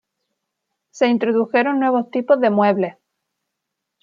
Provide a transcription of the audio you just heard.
Se introdujeron nuevos tipos de muebles.